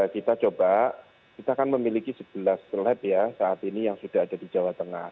kita coba kita kan memiliki sebelas lab ya saat ini yang sudah ada di jawa tengah